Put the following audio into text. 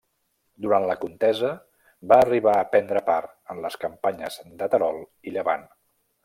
Durant la contesa va arribar a prendre part en les campanyes de Terol i Llevant.